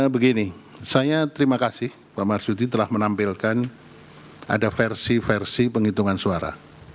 begini saya terima kasih pak marsudi telah menampilkan ada versi versi penghitungan suara